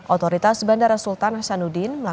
otoritas bandara sultan dificil melakukan lompatan penerbangan